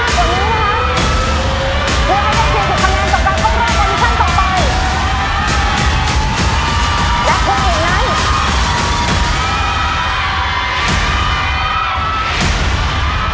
และคุณอิทธิ์ไง